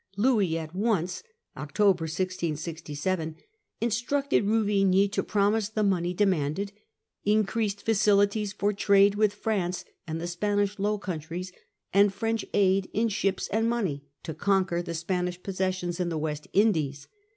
Louis at once (October) instructed Ruvigny Louis's to promise the money demanded, increased offers. facilities for trade with France and the Spanish Low Countries and French aid in ships and money to conquer the Spanish possessions in the West Indies.